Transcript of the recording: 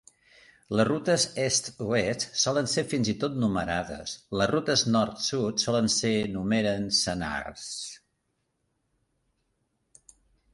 Les rutes est-oest solen ser fins i tot numerades, les rutes nord-sud solen ser numeren senars.